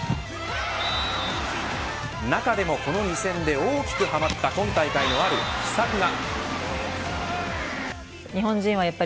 中でもこの２戦で大きくはまった今大会のある秘策が。